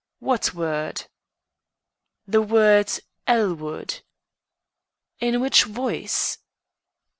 "What word?" "The word, 'Elwood.'" "In which voice?"